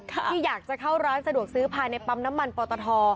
ที่อยากจะเข้าร้านสะดวกซื้อภายในปั๊มน้ำมันปอตท